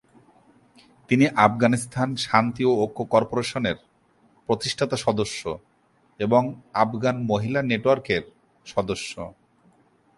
তিনি আফগানিস্তান শান্তি ও ঐক্য কর্পোরেশনের প্রতিষ্ঠাতা সদস্য এবং আফগান মহিলা নেটওয়ার্কের সদস্য।